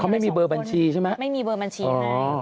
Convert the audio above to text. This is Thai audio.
ไม่มีเบอร์บัญชีใช่ไหมไม่มีเบอร์บัญชีให้